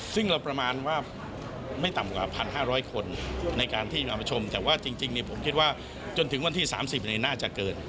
ซึ่งเราประมาณว่าไม่ต่ำกว่า๑๕๐๐คนในการที่มาประชุมแต่ว่าจริงผมคิดว่าจนถึงวันที่๓๐น่าจะเกิน